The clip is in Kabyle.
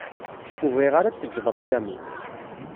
Ur bɣiɣ ara ad tejjed apyanu.